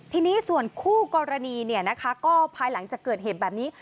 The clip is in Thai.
ทีนี้ส่วนคู่กรณีก็ภายหลังจากเกิดเหตุแบบนี้